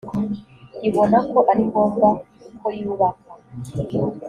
ibona ko ari ngombwa koyubaka